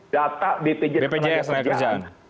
data bpjs rakyat kerjaan